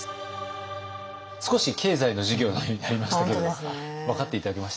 少し経済の授業のようになりましたけど分かって頂けました？